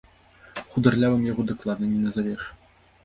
Хударлявым яго дакладна не назавеш.